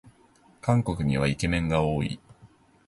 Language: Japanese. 韓国にはイケメンが多い